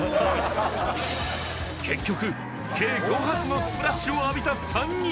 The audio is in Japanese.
結局計５発のスプラッシュを浴びた３人